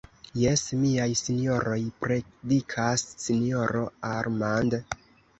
Jes, miaj sinjoroj, predikas sinjoro Armand.